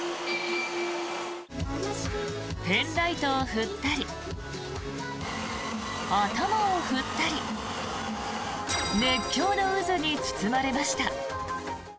ペンライトを振ったり頭を振ったり熱狂の渦に包まれました。